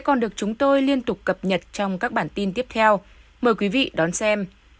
chúng tôi liên tục cập nhật trong các bản tin tiếp theo mời quý vị đón xem